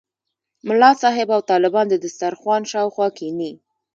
ملا صاحب او طالبان د دسترخوان شاوخوا کېني.